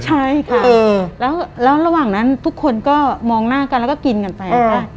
ใช่ค่ะแล้วระหว่างนั้นทุกคนก็มองหน้ากันแล้วก็กินกันไป